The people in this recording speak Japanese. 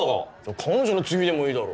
彼女の次でもいいだろ。